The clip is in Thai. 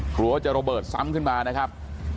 หรือว่าจะระเบิดซ้ำมาขึ้นมานะครับ